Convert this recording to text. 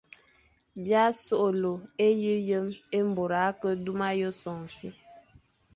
B î a soghle e yi yem é môr a ke duma yʼé sôm si,